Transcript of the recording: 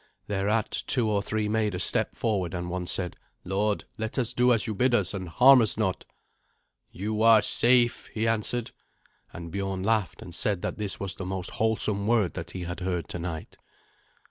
Thereat two or three made a step forward, and one said, "Lord, let us do as you bid us, and harm us not." "You are safe," he answered, and Biorn laughed and said that this was the most wholesome word that he had heard tonight.